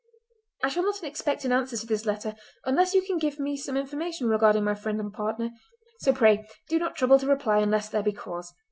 I shall not expect an answer to this letter unless you can give me some information regarding my friend and partner, so pray do not trouble to reply unless there be cause.